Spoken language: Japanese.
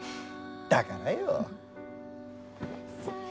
だからよ。